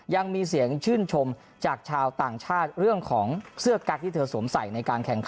ยังมีเสียงชื่นชมจากชาวต่างชาติเรื่องของเสื้อกั๊กที่เธอสวมใส่ในการแข่งขัน